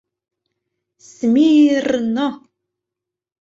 Сми-ир-рно-о!»